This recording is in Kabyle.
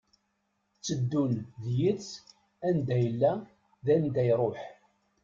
Tteddun d yid-s anda yella d wanda iruḥ.